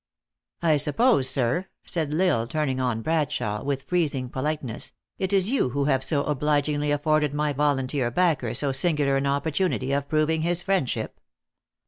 " I suppose, sir," said L Isle, turning on Bradshawe, with freezing politeness, "it is you who have so obligingly afforded my volunteer backer so singular an opportunity of proving his friendship?"